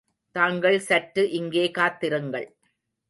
தாங்கள் சற்று இங்கே காத்திருங்கள்.